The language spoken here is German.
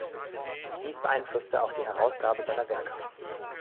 Dies beeinflusste auch die Herausgabe seiner Werke.